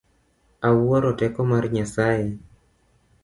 Awuoro teko mar Nyasaye.